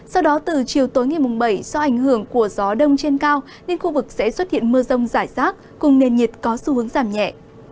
sau đó từ chiều tối ngày bảy do ảnh hưởng của gió đông trên cao nên khu vực sẽ xuất hiện mưa rông rải rác cùng nền nhiệt có xu hướng giảm nhẹ